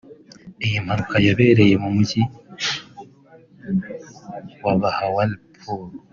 Iyi mpanuka yabereye mu mujyi wa Bahawalpur